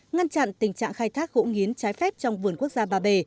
ngăn chặn tình trạng khai thác gỗ nghiến trái phép trong vườn quốc gia ba bể